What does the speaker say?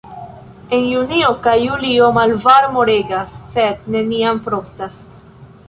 En junio kaj julio malvarmo regas, sed neniam frostas.